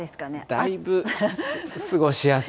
だいぶ過ごしやすい。